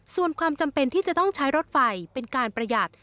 ส่วนความจำเป็นที่จะต้องใช้รถไฟเป็นการประหยัด